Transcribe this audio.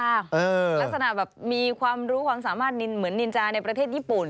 ลักษณะแบบมีความรู้ความสามารถนินเหมือนนินจาในประเทศญี่ปุ่น